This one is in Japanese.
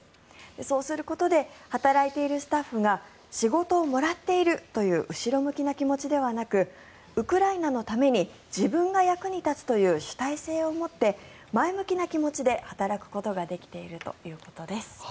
そうすることで働いているスタッフが仕事をもらっているという後ろ向きの気持ちではなくウクライナのために自分が役に立つという主体性を持って前向きな気持ちで働くことができているということです。